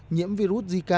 nhiễm virus diễn ra